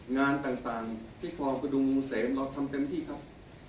งานต่างที่ความกระดุมเสร็จเราทำเต็มที่ครับ